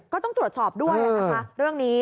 ก็ต้องตรวจสอบด้วยนะคะเรื่องนี้